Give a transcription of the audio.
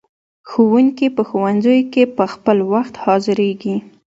ښوونکي په ښوونځیو کې په خپل وخت حاضریږي.